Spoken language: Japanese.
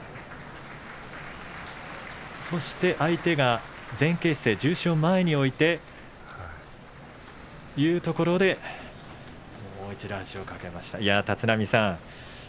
そして相手が前傾姿勢で重心を前に置いてというところでもう一度、足を掛けました。